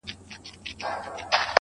وجود پرېږدمه د وخت مخته به نڅا کومه_